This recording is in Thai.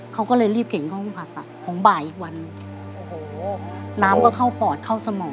เขาก็เลยรีบเกร็งกล้องภักดิ์ของบ่ายอีกวันน้ำก็เข้าปอดเข้าสมอง